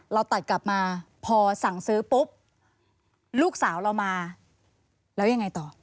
เราตัดกลับมาพอสั่งซื้อปุ๊บลูกสาวเรามาแล้วยังไงต่อ